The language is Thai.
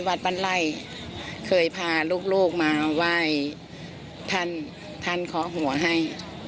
วัดบ้านไล่เคยพาลูกมาไหว้ท่านท่านเคาะหัวให้